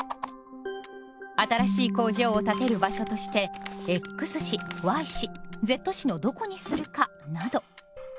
新しい工場を建てる場所としてＸ市Ｙ市Ｚ市のどこにするかなど。